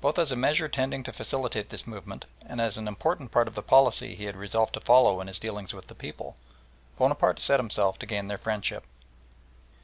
Both as a measure tending to facilitate this movement and as an important part of the policy he had resolved to follow in his dealings with the people, Bonaparte set himself to gain their friendship.